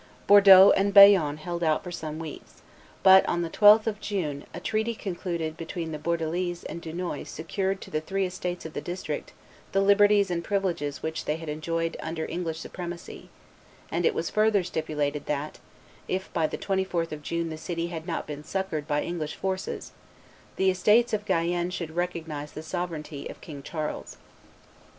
Bordeaux and Bayonne held out for some weeks; but, on the 12th of June, a treaty concluded between the Bordelese and Dunois secured to the three estates of the district the liberties and privileges which they had enjoyed under English supremacy; and it was further stipulated that, if by the 24th of June the city had not been succored by English forces, the estates of Guyenne should recognize the sovereignty of King Charles.